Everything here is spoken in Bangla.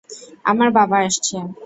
আমার বাবা আসছে!